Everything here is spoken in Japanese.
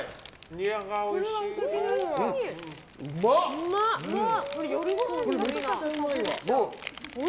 うまい！